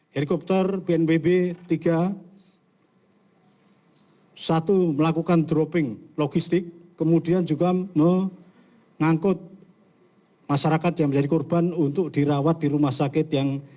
helikopter bnpb tiga satu melakukan dropping logistik kemudian juga mengangkut masyarakat yang menjadi korban untuk dirawat di rumah sakit yang